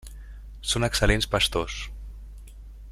Són excel·lents pastors.